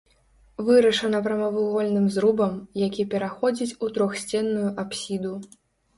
Вырашана прамавугольным зрубам, які пераходзіць у трохсценную апсіду.